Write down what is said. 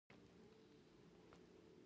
دغه ماموریت ته ولاړه شم.